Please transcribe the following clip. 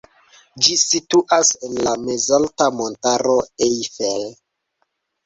Ĝi situas en la mezalta montaro Eifel.